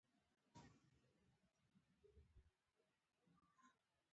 د پکتیا په ځاځي اریوب کې د څه شي نښې دي؟